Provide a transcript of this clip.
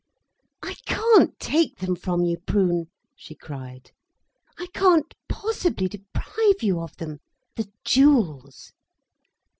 "I can't take them from you, Prune," she cried. "I can't possibly deprive you of them—the jewels."